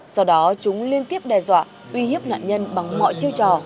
sau đó chúng liên tiếp đe dọa uy hiếp nạn nhân bằng mọi chiêu trò